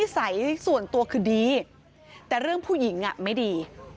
สัยส่วนตัวคือดีแต่เรื่องผู้หญิงไม่ดี